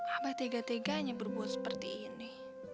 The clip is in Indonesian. abah tega teganya berbuat seperti ini